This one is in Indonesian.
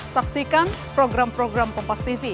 saksikan program program kompas tv